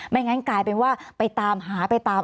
งั้นกลายเป็นว่าไปตามหาไปตาม